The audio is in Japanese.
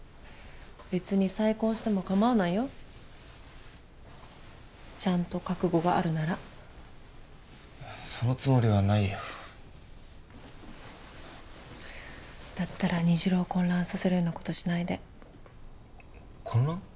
別に再婚しても構わないよちゃんと覚悟があるならそのつもりはないよだったら虹朗を混乱させるようなことしないで混乱？